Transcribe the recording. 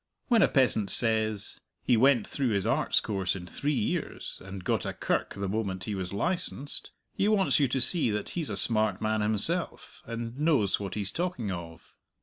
When a peasant says, "He went through his Arts course in three years, and got a kirk the moment he was licensed," he wants you to see that he's a smart man himself, and knows what he's talking of.